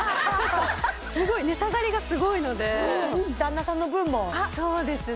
すごい値下がりがすごいので旦那さんの分もそうですね